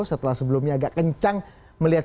setelah sebelumnya agak kencang melihat